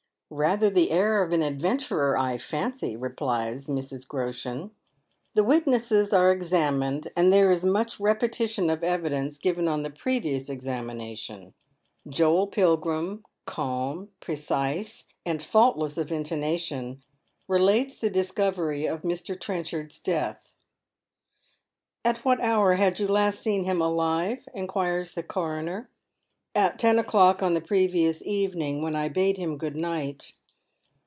" Rather the air of an adventurer, I fancy," replies Mrs. Groshen. The witnesses are examined, and there is much repetition of evidence given on the previous examination. Joel Pilgrim, calm, precise, and faultless of intonation, relates the discovery of Mr. Trenchard's death. * At what hour had you last seen him alive ?" inquires the coroner. " At ten o'clock on the previous evening, when I bade him good night."